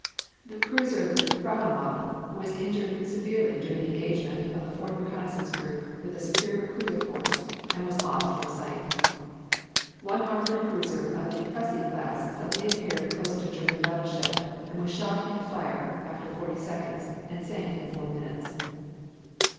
The cruiser Frauenlob was injured severely during the engagement of the fourth reconnoissance group with a superior cruiser force, and was lost from sight. One armored cruiser of the Cressy class suddenly appeared close to a German battleship and was shot into fire after forty seconds, and sank in four minutes.